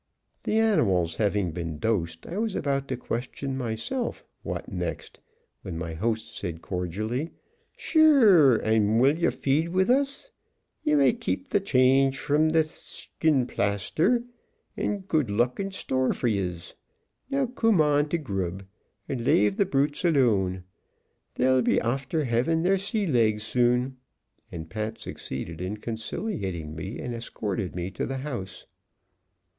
The animals having been dosed, I was about to question myself "What next?" when my host said cordially, "Shure, ond yez will feed with us. Yez may keep th' change from th' shinphlaster ond good luck in sthore fer yez. Now, coom on to grub, ond lave th' brutes alone. They'll be afther havin' their sea legs soon." And Pat succeeded in conciliating me, and escorted me to the house.